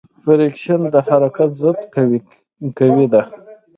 فریکشن د حرکت ضد قوې ده.